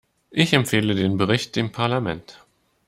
Ich empfehle den Bericht dem Parlament.